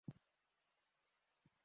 তুমি নিজেকে সামলে নিতে পারবে তো?